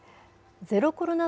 ゼロコロナ